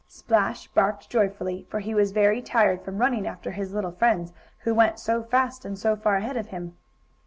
Splash barked joyfully, for he Was very tired from running after his little friends, who went so fast and so far ahead of him.